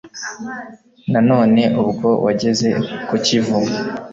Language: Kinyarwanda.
Nanone ubwo wageze ku Kivu